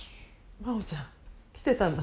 真帆ちゃん来てたんだ。